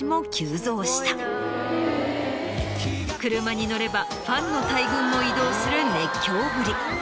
車に乗ればファンの大群も移動する熱狂ぶり。